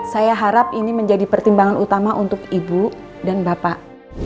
saya harap ini menjadi pertimbangan utama untuk ibu dan bapak